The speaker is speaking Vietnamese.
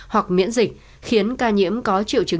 hoặc miễn dịch khiến ca nhiễm có triệu chứng